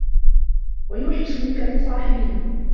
وَيُوحِشُ مِنْك الْمُصَاحِبِينَ